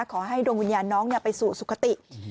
ขอให้ดวงวิญญาณน้องไปสู่สุขติ